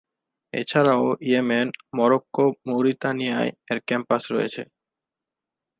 এছাড়াও Yemen, Morocco মৌরিতানিয়ায় এর ক্যাম্পাস রয়েছে।